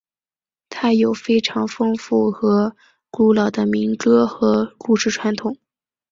它有非常丰富和古老的民歌和故事传统。